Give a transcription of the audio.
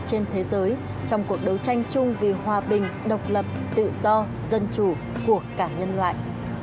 trên thế giới trong cuộc đấu tranh chung vì hòa bình độc lập tự do dân chủ của cả nhân loại